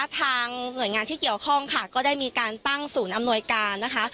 ทางหน่วยงานที่เกี่ยวข้องค่ะก็ได้มีการตั้งศูนย์อำนวยการนะคะ